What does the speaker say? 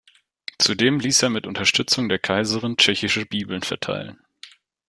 Zudem ließ er mit Unterstützung der Kaiserin tschechische Bibeln verteilen.